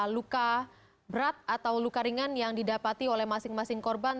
luka berat atau luka ringan yang didapati oleh masing masing korban